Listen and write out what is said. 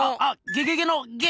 ゲゲゲのゲ！